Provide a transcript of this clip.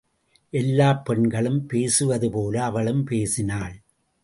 எல்லாப் பெண்களும் பேசுவதுபோல அவளும் பேசினாள்.